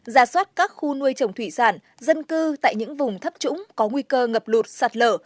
ra soát các khu nuôi trồng thủy sản dân cư tại những vùng thấp trũng có nguy cơ ngập lụt sạt lở